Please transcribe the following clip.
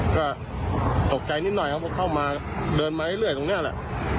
ก็ตกใจนิดหน่อยเขาก็เข้ามาเดินมาเรื่อยตรงนี้แหละ